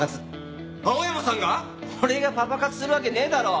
俺がパパ活するわけねえだろ！